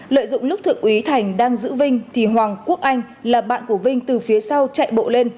lợi dụng lúc thượng úy thành đang giữ vinh thì hoàng quốc anh là bạn của vinh từ phía sau chạy bộ lên